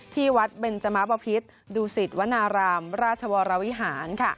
ที่วัดเบนจมะบพิษดูสิตวนารามราชวรวิหาร